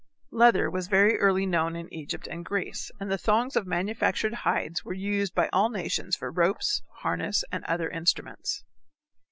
Leather was very early known in Egypt and Greece, and the thongs of manufactured hides were used by all nations for ropes, harness, and other instruments.